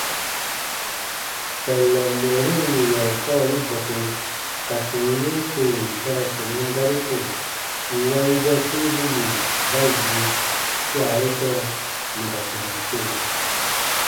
Kpɛllɛn mɛɛri yù yarukawali bɔke ka sɔm yee tè ta ra sɔman gari ko, nwa yigbɛ piibu nì ba yi swa ye sɔɔ nù ka sɔma tore.